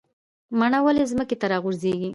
مڼه ولې ځمکې ته راغورځیږي؟